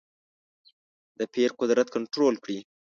د پیر قدرت کنټرول کړې.